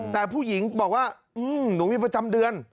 แต่ผู้หญิงบอกว่าหนูมีประจำเดือน